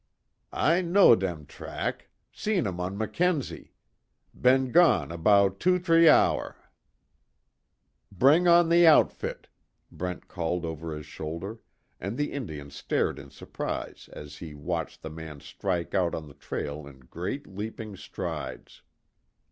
"I know dem track seen um on Mackenzie. B'en gon' 'bout two t'ree hour!" "Bring on the outfit!" Brent called over his shoulder, and the Indian stared in surprise as he watched the man strike out on the trail in great leaping strides.